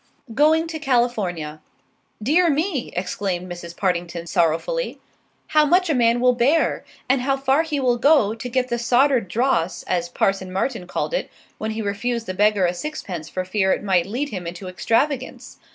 GOING TO CALIFORNIA "Dear me!" exclaimed Mrs. Partington sorrowfully, "how much a man will bear, and how far he will go, to get the soddered dross, as Parson Martin called it when he refused the beggar a sixpence for fear it might lead him into extravagance!